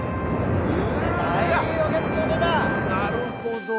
なるほど。